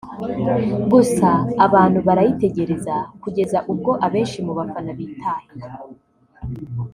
gusa abantu barayitegereza kugeza ubwo abenshi mu bafana bitahiye